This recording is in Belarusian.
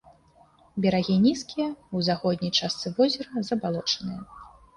Берагі нізкія, у заходняй частцы возера забалочаныя.